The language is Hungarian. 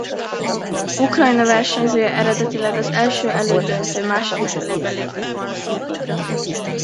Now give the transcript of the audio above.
Ukrajna versenyzője eredetileg az első elődöntő második felében lépett volna színpadra.